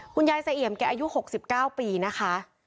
คุณยายสะเอี่ยมแกอายุ๖๙ปีนะคะ